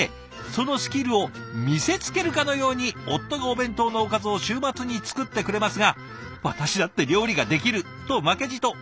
そのスキルを見せつけるかのように夫がお弁当のおかずを週末に作ってくれますが『私だって料理ができる！』と負けじとおかずを作ります」。